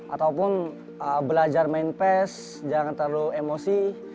ataupun belajar main pes jangan terlalu emosi